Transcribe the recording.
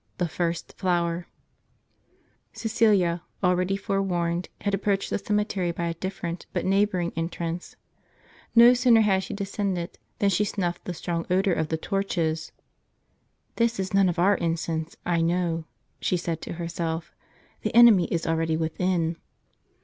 THE FIRST FLOWER, gj|u:ECILIA, already forewarned, had ap proached the cemetery by a differ ent, but neighboring entrance. No sooner had she descended than she snuffed the strong odor of the torches. "This is none of our in cense, I know," she said to herself; " the enemy is already within."